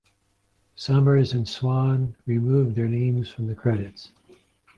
Summers and Swan removed their names from the credits.